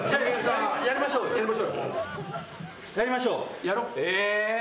やりましょうよ。え。